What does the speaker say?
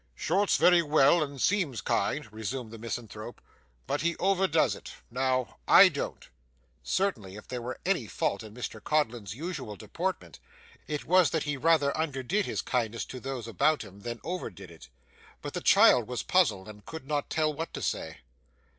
'Short's very well, and seems kind,' resumed the misanthrope, 'but he overdoes it. Now I don't.' Certainly if there were any fault in Mr Codlin's usual deportment, it was that he rather underdid his kindness to those about him, than overdid it. But the child was puzzled, and could not tell what to say.